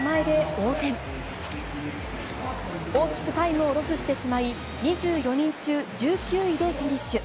大きくタイムをロスしてしまい、２４人中１９位でフィニッシュ。